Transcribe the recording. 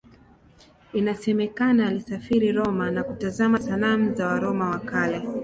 Inasemekana alisafiri Roma na kutazama sanamu za Waroma wa Kale.